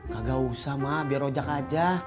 kagak usah ma biar ojek aja